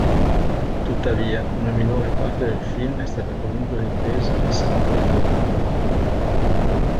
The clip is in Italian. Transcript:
Tuttavia una minore parte del film è stata comunque ripresa a San Pietroburgo.